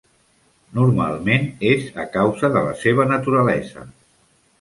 Normalment és a causa de la seva naturalesa.